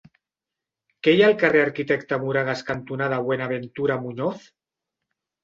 Què hi ha al carrer Arquitecte Moragas cantonada Buenaventura Muñoz?